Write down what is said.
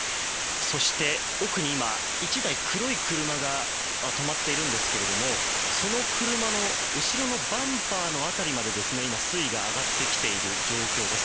そして、奥に、１台黒い車が止まっていますがその車の後ろのバンパーの辺りまで水位が上がってきている状況です。